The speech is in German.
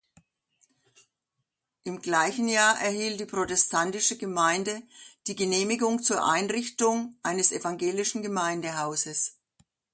Im gleichen Jahr erhielt die protestantische Gemeinde die Genehmigung zur Einrichtung eines evangelisches Gemeindehauses.